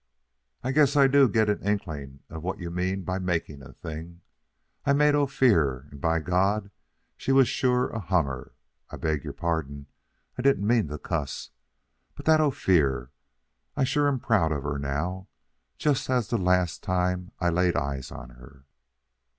I guess I do get an inkling of what you mean by making a thing. I made Ophir, and by God, she was a sure hummer I beg your pardon. I didn't mean to cuss. But that Ophir! I sure am proud of her now, just as the last time I laid eyes on her."